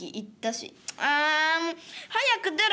「チッあ早く出ろ」。